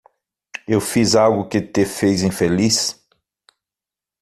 Eu fiz algo que te fez infeliz?